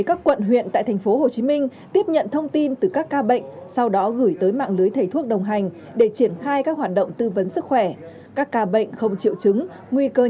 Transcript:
bác sĩ nguyễn thành quân đã đăng ký tham gia vào mạng lưới thầy thuốc đồng hành để tư vấn sức khỏe trực tuyến